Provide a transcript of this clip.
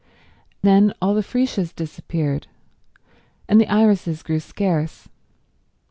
Then all the freesias disappeared, and the irises grew scarce.